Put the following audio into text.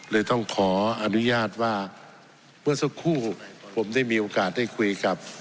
เลยต้องขออนุญาตว่าเมื่อสักครู่ผมได้มีโอกาสได้คุยกับ